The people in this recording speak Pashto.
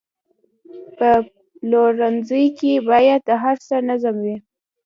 په پلورنځي کې باید د هر څه نظم وي.